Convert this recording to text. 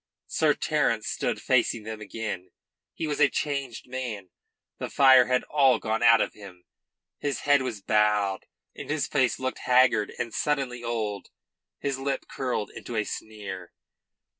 Sir Terence stood facing them again. He was a changed man. The fire had all gone out of him. His head was bowed and his face looked haggard and suddenly old. His lip curled into a sneer.